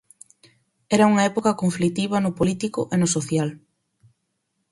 Era unha época conflitiva no político e no social.